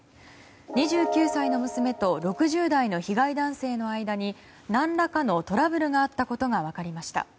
２９歳の娘と６０代の被害男性の間に何らかのトラブルがあったことが分かりました。